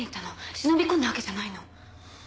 忍び込んだわけじゃないの。